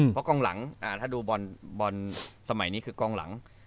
เพราะกล้องหลังถ้าดูบอลสมัยนี้คือกล้องหลัง